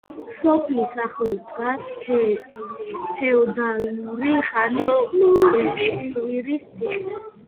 სოფლის ახლოს დგას ფეოდალური ხანის დეხვირის ციხე.